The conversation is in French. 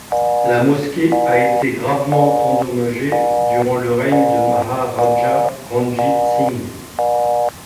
La mosquée a été gravement endommagé durant le règne de Maharaja Ranjit Singh.